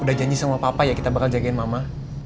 udah janji sama papa ya kita bakal jagain mama